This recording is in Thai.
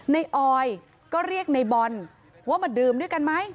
ออยก็เรียกในบอลว่ามาดื่มด้วยกันไหม